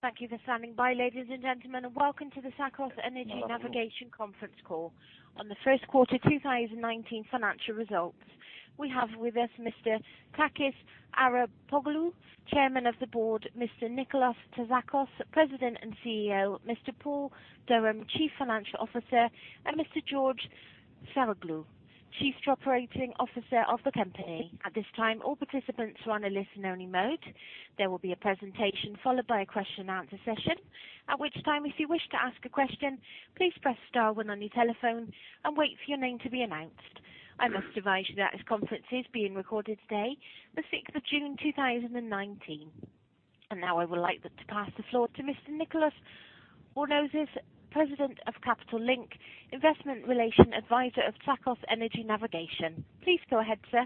Thank you for standing by, ladies and gentlemen, welcome to the Tsakos Energy Navigation conference call on the first quarter 2019 financial results. We have with us Mr. Takis Arapoglou, Chairman of the Board, Mr. Nikolas Tsakos, President and CEO, Mr. Paul Durham, Chief Financial Officer, and Mr. George Saroglou, Chief Operating Officer of the company. At this time, all participants are on a listen-only mode. There will be a presentation followed by a question-and-answer session. At which time, if you wish to ask a question, please press star one on your telephone and wait for your name to be announced. I must advise you that this conference is being recorded today, the 6th of June 2019. Now I would like to pass the floor to Mr. Nicolas Bornozis, President of Capital Link, investor relations advisor of Tsakos Energy Navigation. Please go ahead, sir.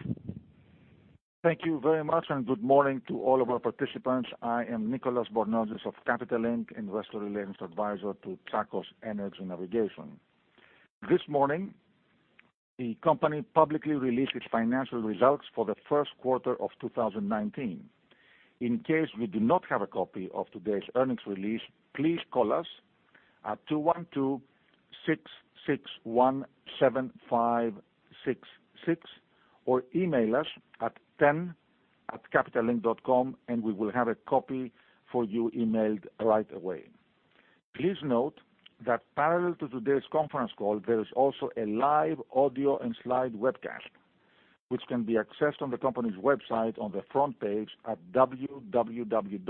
Thank you very much, good morning to all of our participants. I am Nicolas Bornozis of Capital Link, investor relations advisor to Tsakos Energy Navigation. This morning, the company publicly released its financial results for the first quarter of 2019. In case you do not have a copy of today's earnings release, please call us at 212-661-7566 or email us at ten@capitalink.com and we will have a copy for you emailed right away. Please note that parallel to today's conference call, there is also a live audio and slide webcast, which can be accessed on the company's website on the front page at www.tenn.gr.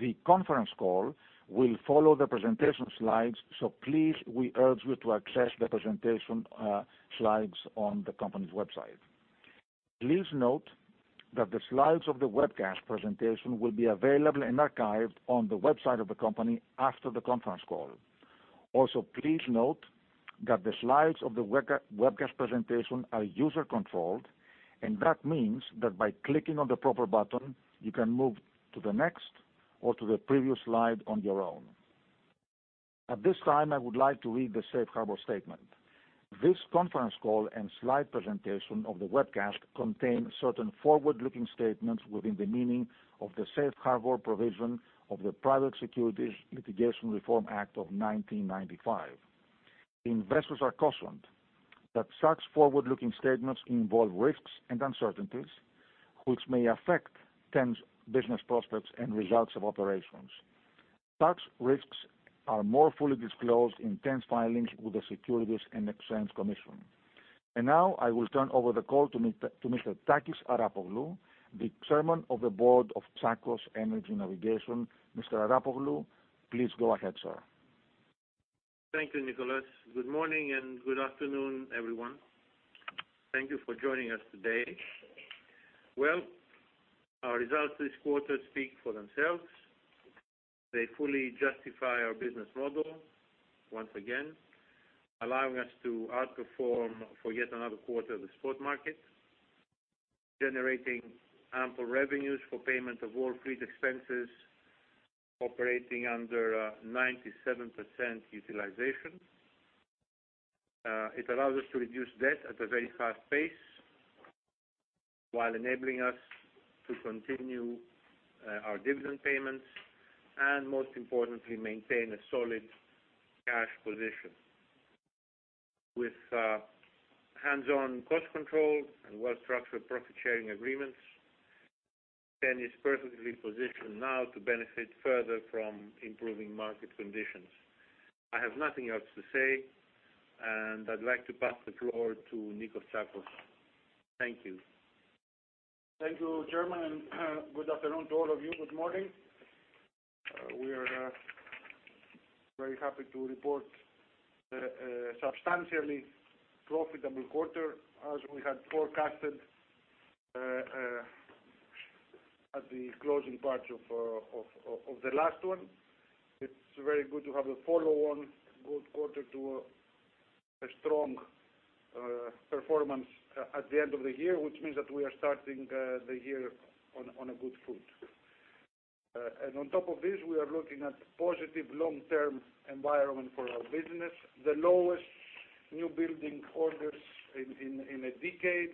The conference call will follow the presentation slides, please, we urge you to access the presentation slides on the company's website. Please note that the slides of the webcast presentation will be available and archived on the website of the company after the conference call. Please note that the slides of the webcast presentation are user controlled, that means that by clicking on the proper button, you can move to the next or to the previous slide on your own. At this time, I would like to read the Safe Harbor statement. This conference call and slide presentation of the webcast contain certain forward-looking statements within the meaning of the Safe Harbor provision of the Private Securities Litigation Reform Act of 1995. Investors are cautioned that such forward-looking statements involve risks and uncertainties, which may affect TEN's business prospects and results of operations. Such risks are more fully disclosed in TEN's filings with the Securities and Exchange Commission. Now I will turn over the call to Mr. Takis Arapoglou, the Chairman of the Board of Tsakos Energy Navigation. Mr. Arapoglou, please go ahead, sir. Thank you, Nicolas. Good morning and good afternoon, everyone. Thank you for joining us today. Well, our results this quarter speak for themselves. They fully justify our business model, once again, allowing us to outperform for yet another quarter the spot market, generating ample revenues for payment of all fleet expenses operating under 97% utilization. It allows us to reduce debt at a very fast pace while enabling us to continue our dividend payments and most importantly, maintain a solid cash position. With hands-on cost control and well-structured profit-sharing agreements, TEN is perfectly positioned now to benefit further from improving market conditions. I have nothing else to say, and I'd like to pass the floor to Niko Tsakos. Thank you. Thank you, Chairman. Good afternoon to all of you. Good morning. We are very happy to report a substantially profitable quarter as we had forecasted at the closing part of the last one. It's very good to have a follow-on good quarter to a strong performance at the end of the year, which means that we are starting the year on a good foot. On top of this, we are looking at positive long-term environment for our business, the lowest new building orders in a decade.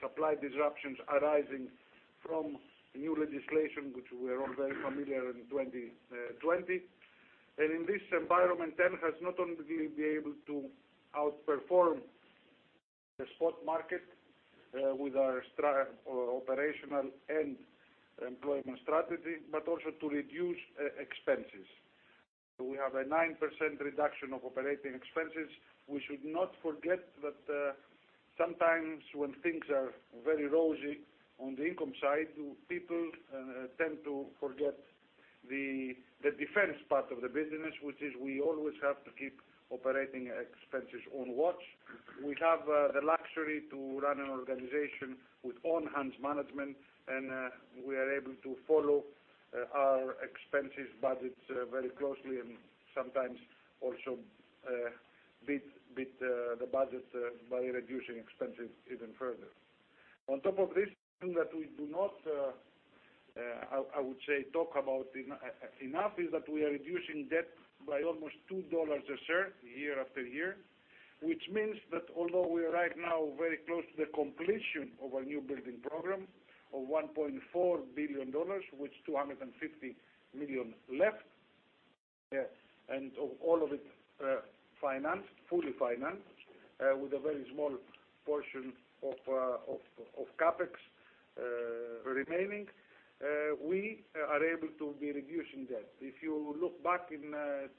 Supply disruptions arising from new legislation, which we are all very familiar in 2020. In this environment, TEN has not only been able to outperform the spot market with our operational and employment strategy, but also to reduce expenses. We have a 9% reduction of operating expenses. We should not forget that sometimes when things are very rosy on the income side, people tend to forget the defense part of the business, which is we always have to keep operating expenses on watch. We have the luxury to run an organization with hands-on management, and we are able to follow our expenses budgets very closely and sometimes also beat the budget by reducing expenses even further. On top of this, something that we do not, I would say, talk about enough is that we are reducing debt by almost $2 a share year after year, which means that although we are right now very close to the completion of our new building program of $1.4 billion, with $250 million left, and all of it fully financed with a very small portion of CapEx remaining, we are able to be reducing debt. If you look back in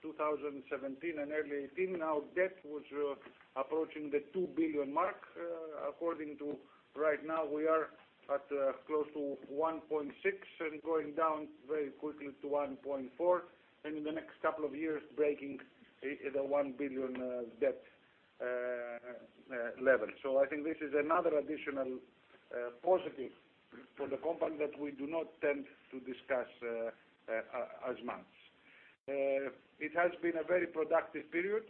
2017 and early 2018, our debt was approaching the $2 billion mark. According to right now, we are at close to $1.6 billion and going down very quickly to $1.4 billion, and in the next couple of years, breaking the $1 billion debt level. I think this is another additional positive for the company that we do not tend to discuss as much. It has been a very productive period.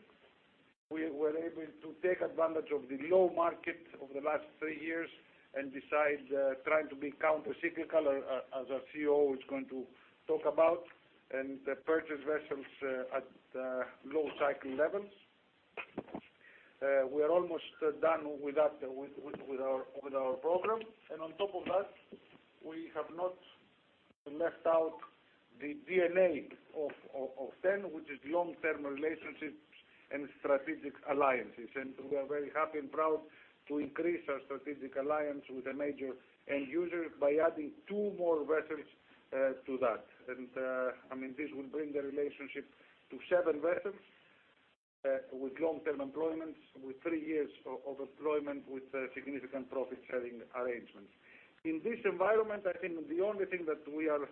We were able to take advantage of the low market over the last three years and decide trying to be counter cyclical, as our COO is going to talk about, and purchase vessels at low cycle levels. We are almost done with that, with our program. On top of that, we have not left out the DNA of TEN, which is long-term relationships and strategic alliances. We are very happy and proud to increase our strategic alliance with a major end user by adding 2 more vessels to that. This will bring the relationship to 7 vessels with long-term employments, with 3 years of employment, with significant profit-sharing arrangements. In this environment, I think the only thing that we are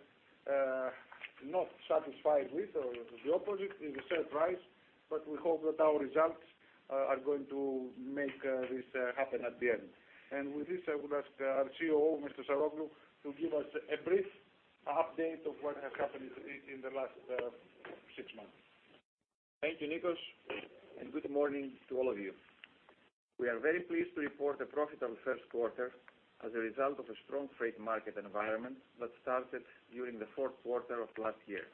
not satisfied with, or the opposite, is the share price. We hope that our results are going to make this happen at the end. With this, I would ask our COO, Mr. Saroglou, to give us a brief update of what has happened in the last 6 months. Thank you, Nikos, and good morning to all of you. We are very pleased to report a profitable first quarter as a result of a strong freight market environment that started during the fourth quarter of last year.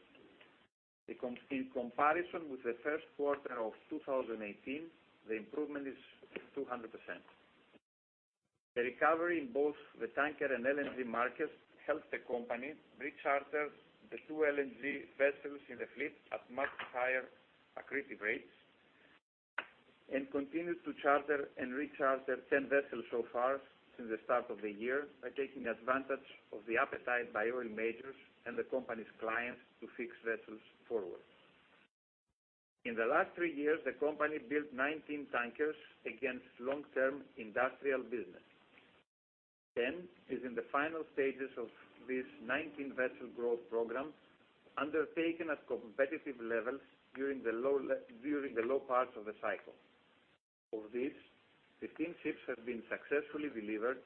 In comparison with the first quarter of 2018, the improvement is 200%. The recovery in both the tanker and LNG markets helped the company re-charter the 2 LNG vessels in the fleet at much higher accretive rates, and continued to charter and re-charter 10 vessels so far since the start of the year by taking advantage of the appetite by oil majors and the company's clients to fix vessels forward. In the last 3 years, the company built 19 tankers against long-term industrial business. TEN is in the final stages of this 19-vessel growth program, undertaken at competitive levels during the low parts of the cycle. Of these, 15 ships have been successfully delivered,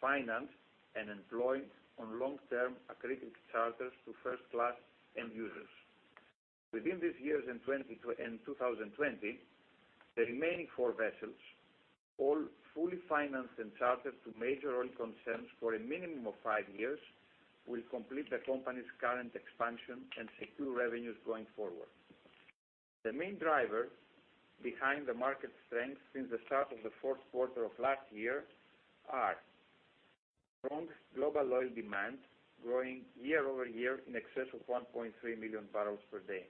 financed, and employed on long-term accretive charters to first-class end users. Within this year and 2020, the remaining 4 vessels, all fully financed and chartered to major oil concerns for a minimum of 5 years, will complete the company's current expansion and secure revenues going forward. The main driver behind the market strength since the start of the fourth quarter of last year are strong global oil demand growing year-over-year in excess of 1.3 million barrels per day.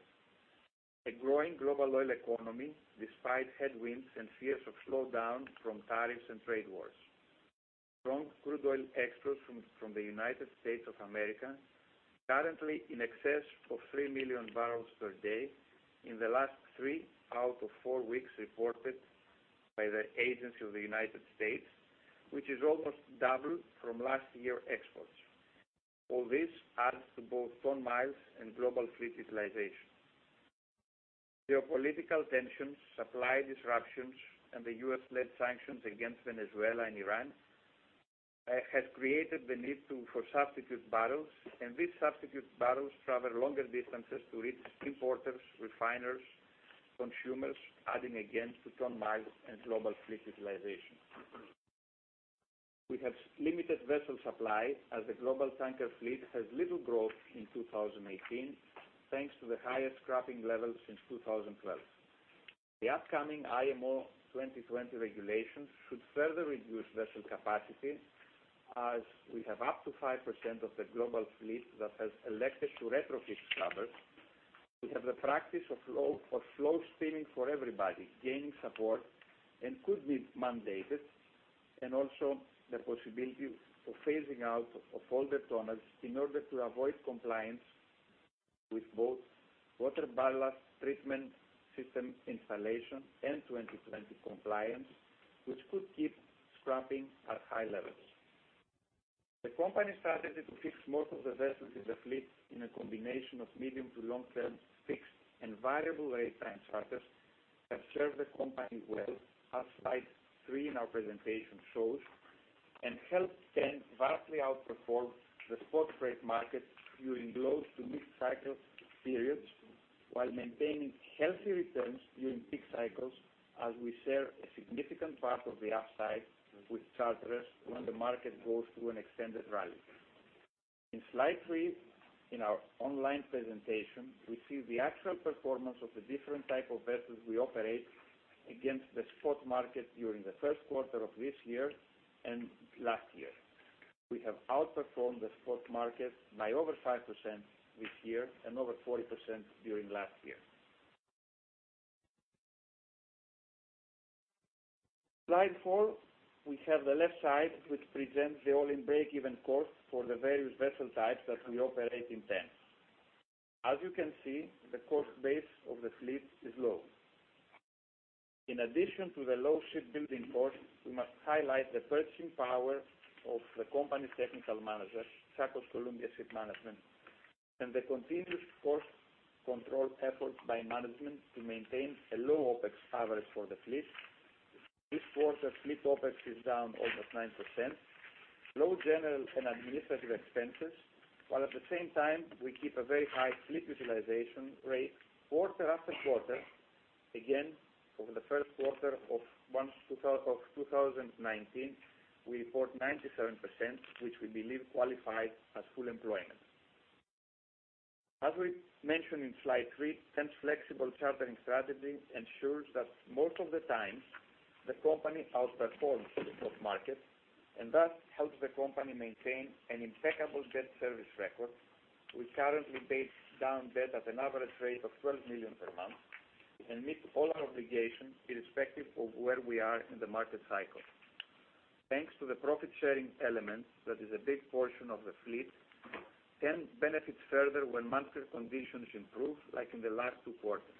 A growing global oil economy despite headwinds and fears of slowdown from tariffs and trade wars. Strong crude oil exports from the U.S., currently in excess of 3 million barrels per day in the last 3 out of 4 weeks reported by the agency of the U.S., which is almost double from last year exports. All this adds to both ton-miles and global fleet utilization. Geopolitical tensions, supply disruptions, the U.S.-led sanctions against Venezuela and Iran have created the need for substitute barrels. These substitute barrels travel longer distances to reach importers, refiners, consumers, adding again to ton-miles and global fleet utilization. We have limited vessel supply as the global tanker fleet has little growth in 2018, thanks to the highest scrapping levels since 2012. The upcoming IMO 2020 regulations should further reduce vessel capacity as we have up to 5% of the global fleet that has elected to retrofit scrubbers. We have the practice of slow steaming for everybody gaining support and could be mandated. Also, the possibility of phasing out of older tonnage in order to avoid compliance with both ballast water treatment system installation and 2020 compliance, which could keep scrapping at high levels. The company strategy to fix most of the vessels in the fleet in a combination of medium to long-term fixed and variable rate time charters have served the company well, as slide three in our presentation shows, and helped TEN vastly outperform the spot freight market during lows to mid-cycle periods while maintaining healthy returns during peak cycles, as we share a significant part of the upside with charterers when the market goes through an extended rally. In slide three in our online presentation, we see the actual performance of the different type of vessels we operate against the spot market during the first quarter of this year and last year. We have outperformed the spot market by over 5% this year and over 40% during last year. Slide four, we have the left side, which presents the all-in breakeven cost for the various vessel types that we operate in TEN. As you can see, the cost base of the fleet is low. In addition to the low shipbuilding cost, we must highlight the purchasing power of the company's technical manager, Tsakos Columbia Shipmanagement, and the continuous cost control efforts by management to maintain a low OpEx average for the fleet. This quarter, fleet OpEx is down almost 9%. Low general and administrative expenses, while at the same time we keep a very high fleet utilization rate quarter after quarter. Again, over the first quarter of 2019, we report 97%, which we believe qualifies as full employment. As we mentioned in slide three, TEN's flexible chartering strategy ensures that most of the times, the company outperforms the spot market and thus helps the company maintain an impeccable debt service record, which currently pays down debt at an average rate of $12 million per month. We can meet all our obligations irrespective of where we are in the market cycle. Thanks to the profit-sharing element that is a big portion of the fleet, TEN benefits further when market conditions improve, like in the last two quarters.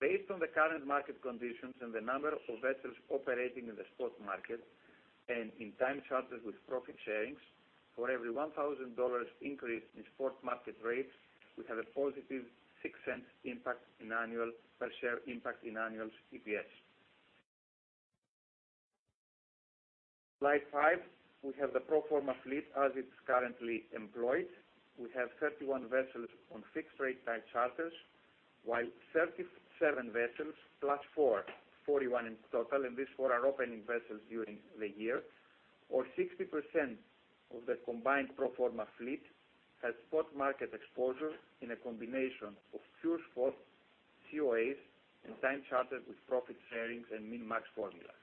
Based on the current market conditions and the number of vessels operating in the spot market and in time charters with profit sharings, for every $1,000 increase in spot market rates, we have a positive $0.06 impact in annual per share impact in annual EPS. Slide five, we have the pro forma fleet as it's currently employed. We have 31 vessels on fixed rate time charters, while 37 vessels plus four, 41 in total, and these four are opening vessels during the year, or 60% of the combined pro forma fleet has spot market exposure in a combination of pure spot, COAs, and time charters with profit sharings and min-max formulas.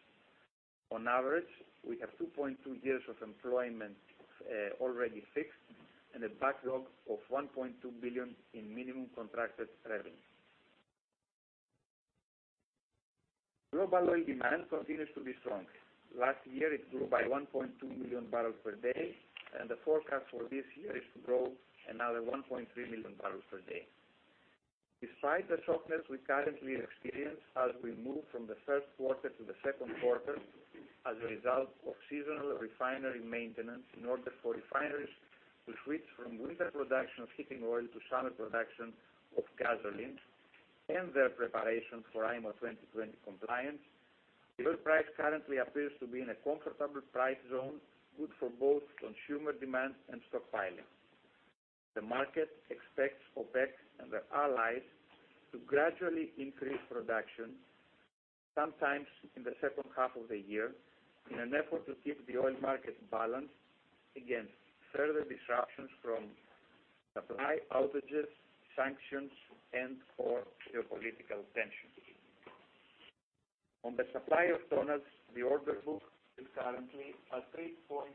On average, we have 2.2 years of employment already fixed and a backlog of $1.2 billion in minimum contracted revenue. Global oil demand continues to be strong. Last year, it grew by 1.2 million barrels per day, and the forecast for this year is to grow another 1.3 million barrels per day. Despite the softness we currently experience as we move from the first quarter to the second quarter, as a result of seasonal refinery maintenance in order for refineries to switch from winter production of heating oil to summer production of gasoline and their preparation for IMO 2020 compliance, the oil price currently appears to be in a comfortable price zone, good for both consumer demand and stockpiling. The market expects OPEC and their allies to gradually increase production, sometimes in the second half of the year, in an effort to keep the oil market balanced against further disruptions from supply outages, sanctions, and/or geopolitical tensions. On the supply of tonnage, the order book is currently at 3.3%,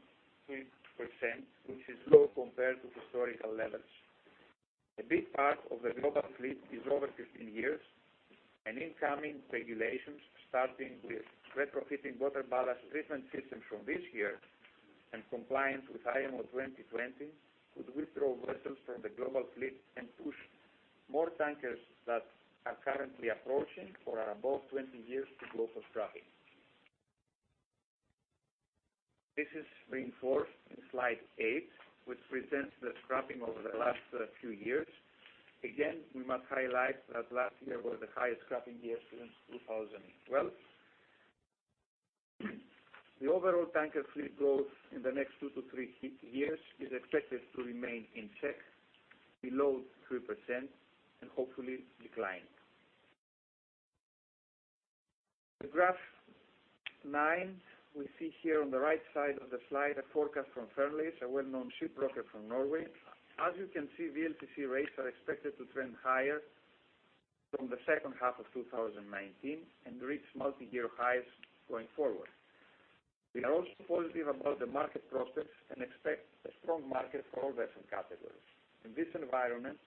which is low compared to historical levels. A big part of the global fleet is over 15 years, and incoming regulations, starting with retrofitting ballast water treatment systems from this year and compliance with IMO 2020, could withdraw vessels from the global fleet and push more tankers that are currently approaching or are above 20 years to go for scrapping. This is reinforced in slide eight, which presents the scrapping over the last few years. Again, we must highlight that last year was the highest scrapping year since 2012. The overall tanker fleet growth in the next two to three years is expected to remain in check below 3% and hopefully decline. The graph nine, we see here on the right side of the slide, a forecast from Fearnleys, a well-known shipbroker from Norway. As you can see, VLCC rates are expected to trend higher from the second half of 2019 and reach multiyear highs going forward. We are also positive about the market prospects and expect a strong market for all vessel categories. In this environment,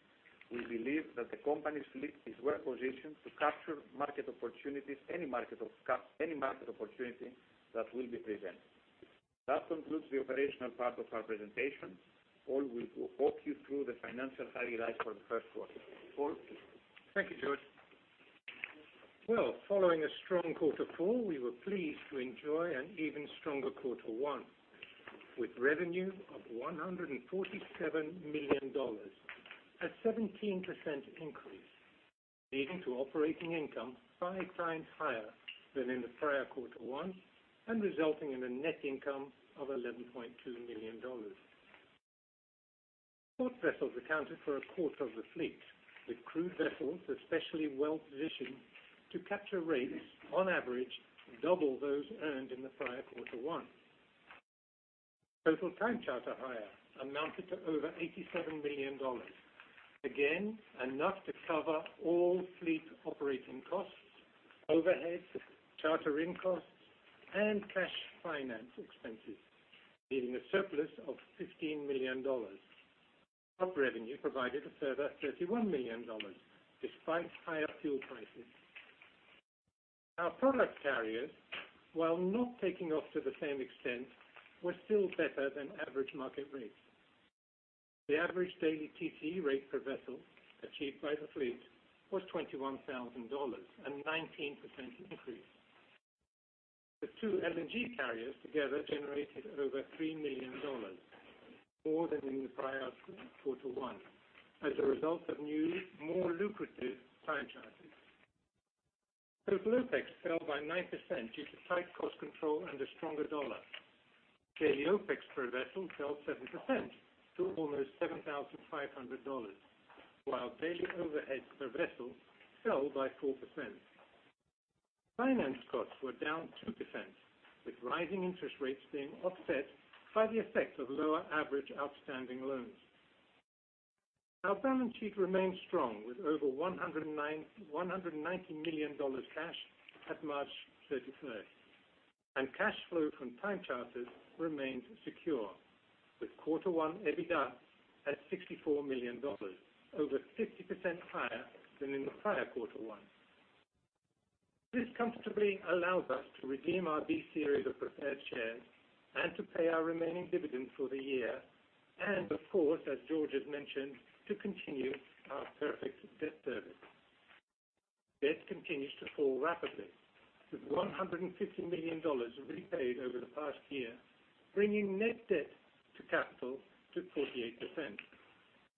we believe that the company's fleet is well-positioned to capture any market opportunity that will be presented. That concludes the operational part of our presentation. Paul will walk you through the financial highlights for the first quarter. Paul? Thank you, George. Following a strong quarter 4, we were pleased to enjoy an even stronger quarter 1 with revenue of $147 million, a 17% increase, leading to operating income five times higher than in the prior quarter 1, and resulting in a net income of $11.2 million. Spot vessels accounted for a quarter of the fleet, with crude vessels especially well positioned to capture rates on average, double those earned in the prior quarter 1. Total time charter hire amounted to over $87 million. Enough to cover all fleet operating costs, overheads, chartering costs, and cash finance expenses, leaving a surplus of $15 million. Hub revenue provided a further $31 million despite higher fuel prices. Our product carriers, while not taking off to the same extent, were still better than average market rates. The average daily TCE rate per vessel achieved by the fleet was $21,000, a 19% increase. The two LNG carriers together generated over $3 million, more than in the prior quarter one, as a result of new, more lucrative time charters. Total OpEx fell by 9% due to tight cost control and a stronger dollar. Daily OpEx per vessel fell 7% to almost $7,500, while daily overhead per vessel fell by 4%. Finance costs were down 2%, with rising interest rates being offset by the effect of lower average outstanding loans. Our balance sheet remains strong with over $190 million cash at March 31st. Cash flow from time charters remained secure, with quarter one EBITDA at $64 million, over 50% higher than in the prior quarter one. This comfortably allows us to redeem our Series B of preferred shares and to pay our remaining dividends for the year, of course, as George has mentioned, to continue our perfect debt service. Debt continues to fall rapidly, with $150 million repaid over the past year, bringing net debt to capital to 48%.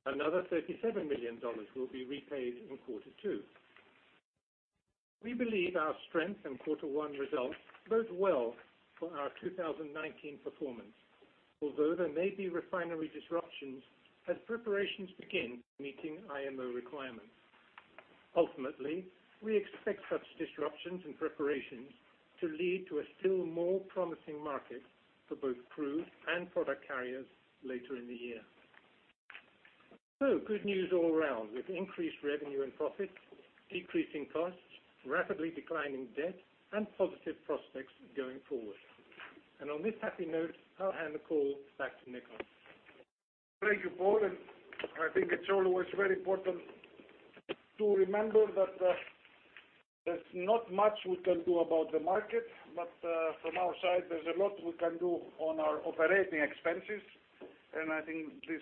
Another $37 million will be repaid in quarter two. We believe our strength in quarter one results bode well for our 2019 performance. Although there may be refinery disruptions as preparations begin for meeting IMO requirements. Ultimately, we expect such disruptions and preparations to lead to a still more promising market for both crude and product carriers later in the year. Good news all around, with increased revenue and profit, decreasing costs, rapidly declining debt, and positive prospects going forward. On this happy note, I'll hand the call back to Nikos. Thank you, Paul, I think it's always very important to remember that there's not much we can do about the market. From our side, there's a lot we can do on our operating expenses. I think this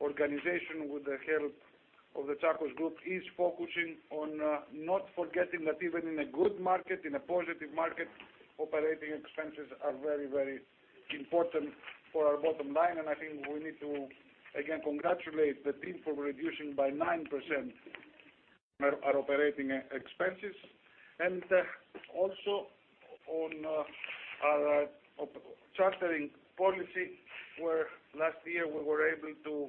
organization, with the help of the Tsakos group, is focusing on not forgetting that even in a good market, in a positive market, operating expenses are very important for our bottom line. I think we need to, again, congratulate the team for reducing by 9% our operating expenses. Also on our chartering policy, where last year we were able to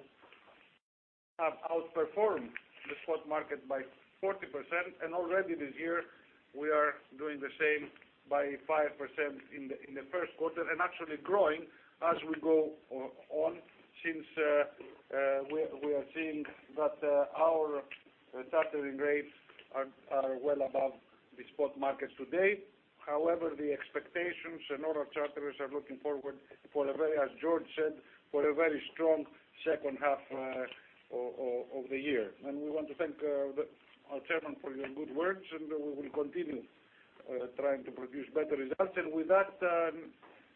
outperform the spot market by 40%. Already this year we are doing the same by 5% in the first quarter, actually growing as we go on since we are seeing that our chartering rates are well above the spot markets today. The expectations and all our charterers are looking forward for, as George said, for a very strong second half of the year. We want to thank our chairman for your good words, and we will continue trying to produce better results.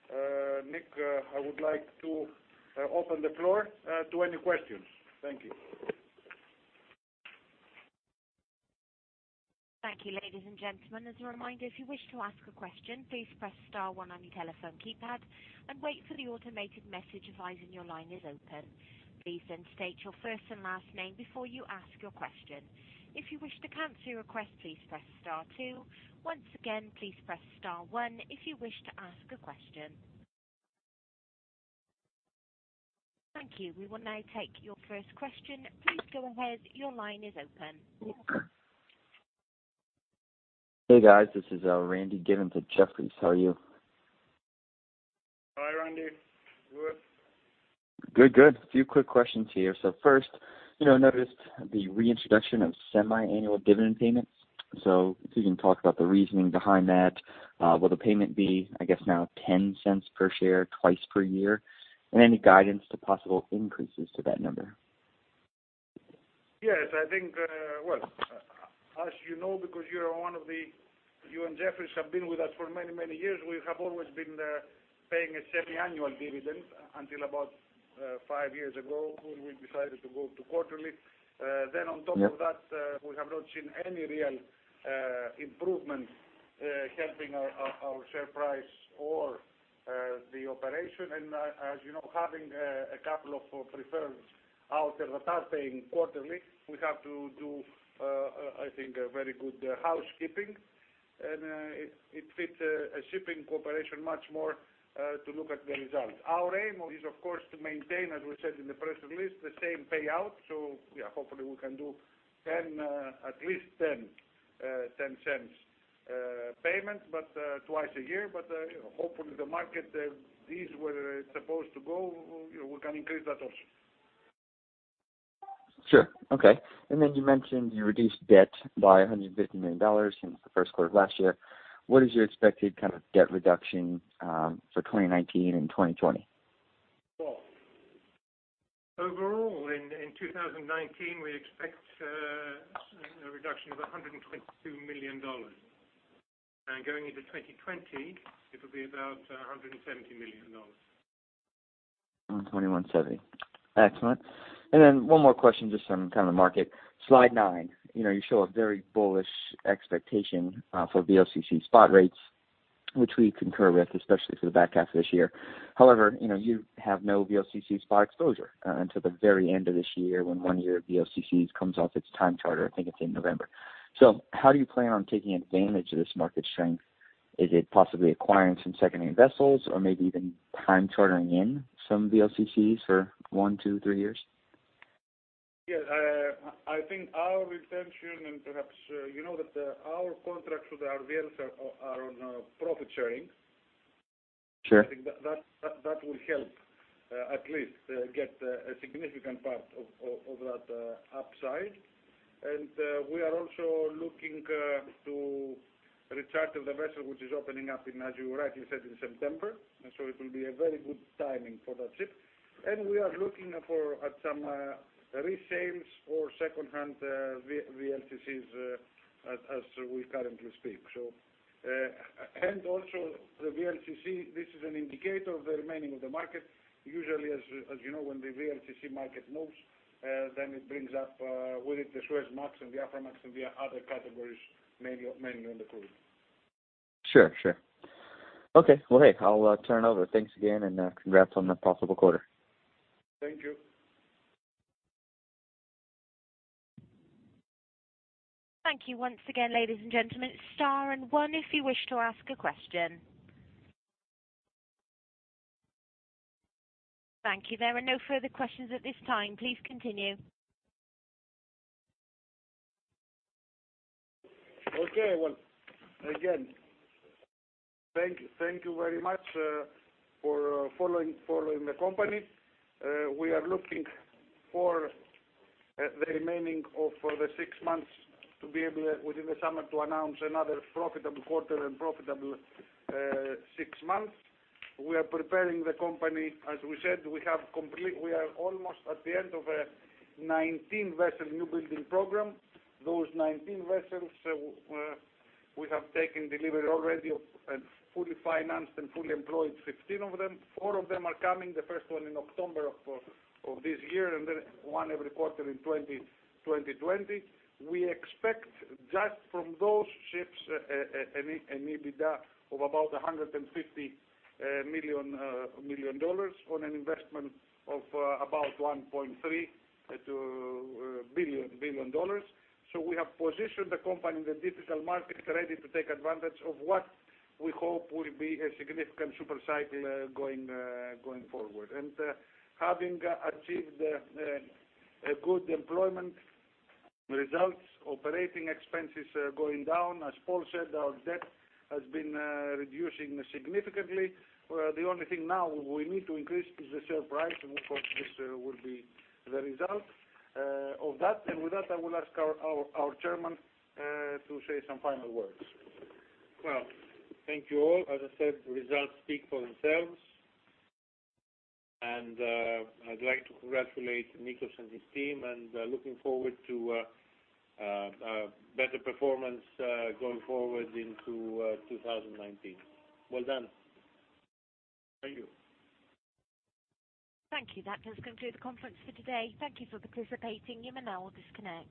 With that, Nik, I would like to open the floor to any questions. Thank you. Thank you, ladies and gentlemen. As a reminder, if you wish to ask a question, please press star one on your telephone keypad and wait for the automated message advising your line is open. Please then state your first and last name before you ask your question. If you wish to cancel your request, please press star two. Once again, please press star one if you wish to ask a question. Thank you. We will now take your first question. Please go ahead. Your line is open. Hey, guys. This is Randy Giveans with Jefferies. How are you? Hi, Randy. Good. Good. A few quick questions here. First, noticed the reintroduction of semi-annual dividend payments. If you can talk about the reasoning behind that. Will the payment be, I guess now $0.10 per share twice per year? Any guidance to possible increases to that number? Yes. Well, as you know, because you and Jefferies have been with us for many years, we have always been paying a semi-annual dividend until about five years ago when we decided to go to quarterly. Yep. On top of that, we have not seen any real improvement helping our share price or the operation. As you know, having a couple of preferreds out that are paying quarterly, we have to do, I think, a very good housekeeping. It fits a shipping corporation much more to look at the results. Our aim is, of course, to maintain, as we said in the press release, the same payout. Yeah, hopefully we can do at least $0.10 payment, twice a year. Hopefully the market, these were supposed to go, we can increase that also. Sure. Okay. Then you mentioned you reduced debt by $150 million since the first quarter of last year. What is your expected debt reduction for 2019 and 2020? Paul? Overall, in 2019, we expect a reduction of $122 million. Going into 2020, it will be about $170 million. 121.7. Excellent. One more question, just on the market. Slide nine, you show a very bullish expectation for VLCC spot rates, which we concur with, especially for the back half of this year. However, you have no VLCC spot exposure until the very end of this year when one year VLCC comes off its time charter, I think it's in November. How do you plan on taking advantage of this market strength? Is it possibly acquiring some second-hand vessels or maybe even time chartering in some VLCCs for one, two, three years? Yes, I think our retention and perhaps, you know that our contracts with our VLs are on profit-sharing. Sure. I think that will help at least get a significant part of that upside. We are also looking to recharter the vessel, which is opening up in, as you rightly said, in September. It will be a very good timing for that ship. We are looking at some resales or second-hand VLCCs as we currently speak. Also the VLCC, this is an indicator of the remaining of the market. Usually, as you know, when the VLCC market moves, then it brings up with it the Suezmax and the Aframax and the other categories mainly on the pool. Sure. Sure. Okay, well, hey, I'll turn over. Thanks again, and congrats on the positive quarter. Thank you. Thank you once again, ladies and gentlemen. Star and one if you wish to ask a question. Thank you. There are no further questions at this time. Please continue. Okay, well, again, thank you very much for following the company. We are looking for the remaining of the six months to be able, within the summer, to announce another profitable quarter and profitable six months. We are preparing the company, as we said, we are almost at the end of a 19-vessel new building program. Those 19 vessels we have taken delivery already of, and fully financed and fully employed 15 of them. Four of them are coming, the first one in October of this year, and then one every quarter in 2020. We expect just from those ships an EBITDA of about $150 million on an investment of about $1.3 billion. We have positioned the company in the global markets ready to take advantage of what we hope will be a significant super cycle going forward. Having achieved a good employment results, operating expenses going down, as Paul said, our debt has been reducing significantly. The only thing now we need to increase is the share price, and of course, this will be the result of that. With that, I will ask our chairman to say some final words. Well, thank you all. As I said, the results speak for themselves. I'd like to congratulate Nikos and his team and looking forward to a better performance going forward into 2019. Well done. Thank you. Thank you. That does conclude the conference for today. Thank you for participating. You may now disconnect.